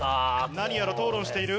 何やら討論している？